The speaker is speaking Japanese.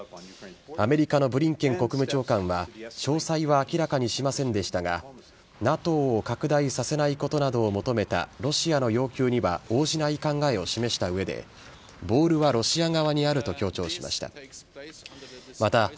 アメリカのブリンケン国務長官は詳細は明らかにしませんでしたがＮＡＴＯを拡大させないことなどを求めたロシアの要求には応じない考えを示した上でボールはロシア側にあると強調しました。